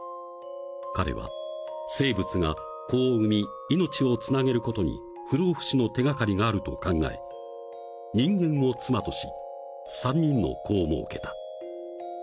［彼は生物が子を産み命をつなげることに不老不死の手掛かりがあると考え人間を妻とし３人の子をもうけた］